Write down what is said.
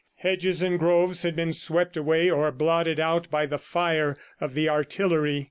Hedges and groves had been swept away or blotted out by the fire of the artillery.